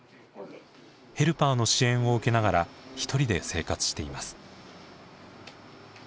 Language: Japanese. ヘルパーの支援を受けながら１人で生活しています。